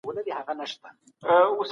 دا معلومات د ماشوم پوهه زیاتوي.